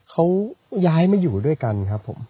เขาย้ายมาอยู่ด้วยกันครับผม